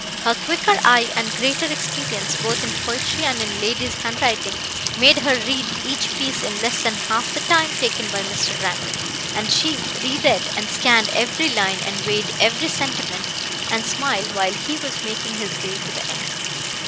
Her quicker eye and greater experience, both in poetry and in ladies' handwriting, made her read each piece in less than half the time taken by Mr. Brandon, and she re read and scanned every line and weighed every sentiment and simile while he was making his way to the end.